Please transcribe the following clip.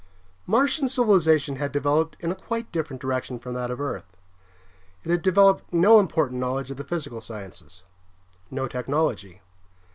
Martian civilization had developed in a quite different direction from that of Earth. It had developed no important knowledge of the physical sciences, no technology.